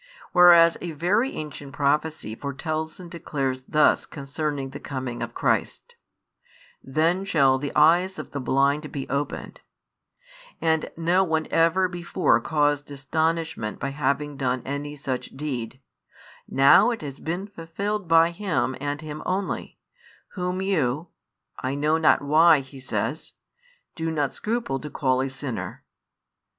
Whereas a very ancient prophecy foretells and declares thus concerning the coming of Christ: Then shall the eyes of the blind be opened, and no one ever before caused astonishment by having done any such deed; now it has been fulfilled by Him and Him only, Whom you (I know not why, he says) do not scruple to call a sinner.